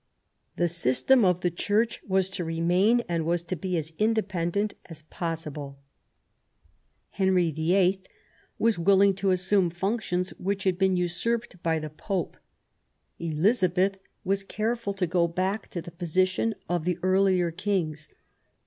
The system of the Church was to remain, and was to be as independent as possible. Henry VIII. was willing to assume functions which had been usurped by the Pope ; Elizabeth was careful to go back to the position of the earlier Kings.